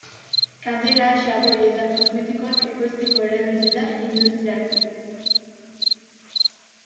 Kandela, xaboi eta kosmetikoak ekoizteko erabiltzen da industrialki.